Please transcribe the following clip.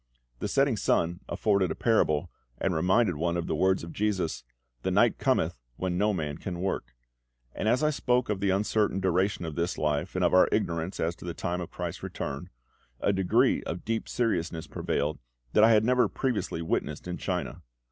The setting sun afforded a parable, and reminded one of the words of JESUS, "The night cometh, when no man can work;" and as I spoke of the uncertain duration of this life, and of our ignorance as to the time of CHRIST'S return, a degree of deep seriousness prevailed that I had never previously witnessed in China.